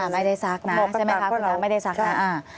ไม่ได้ซักนะซักใช่ไหมคะคุณน้องไม่ได้ซักนะ